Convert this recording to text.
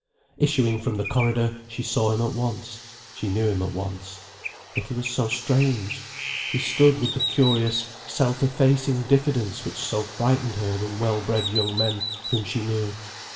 Issuing from the corridor, she saw him at once. She knew him at once. Yet he was so strange. He stood with the curious self effacing diffidence which so frightened her in well bred young men whom she knew.